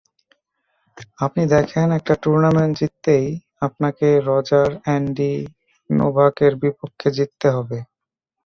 আপনি দেখেন, একটা টুর্নামেন্ট জিততেই আপনাকে রজার, অ্যান্ডি, নোভাকের বিপক্ষে জিততে হবে।